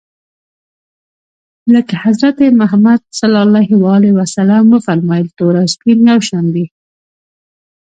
لکه حضرت محمد ص و فرمایل تور او سپین یو شان دي.